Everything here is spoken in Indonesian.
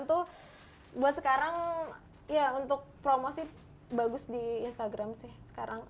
itu buat sekarang ya untuk promo sih bagus di instagram sih sekarang